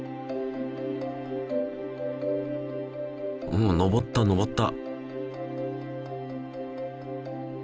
おお上った上った。